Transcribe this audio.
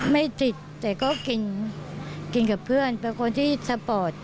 ไม่ติดแต่ก็กินกับเพื่อนเป็นคนที่สปอร์ต